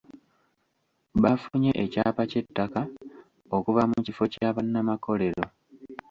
Baafunye ekyapa ky'ettaka okuva mu kifo kya bannamakorero.